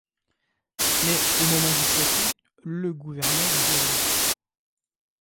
Mais au moment du procès, le gouverneur de Géorgie.